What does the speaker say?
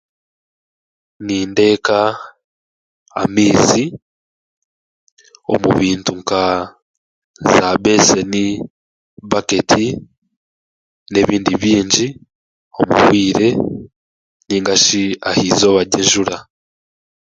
Nindeeka amaizi omu bintu nka zaabeeseni, baketi, n'ebindi bingi, omu bwire narishi aha eizooba ry'enjura.